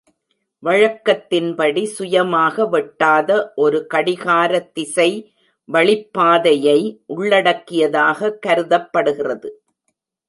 வழக்கத்தின் படி, சுயமாக வெட்டாத ஒரு கடிகார திசை வழிப்பாதையை உள்ளடக்கியதாக கருதப்படுகிறது.